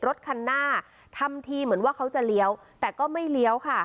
รถคันหน้าทำทีเหมือนว่าเขาจะเลี้ยวแต่ก็ไม่เลี้ยวค่ะ